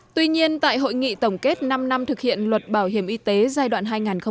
tuy nhiên tại hội nghị tổng kết năm năm thực hiện luật bảo hiểm y tế giai đoạn hai nghìn một mươi bốn hai nghìn một mươi tám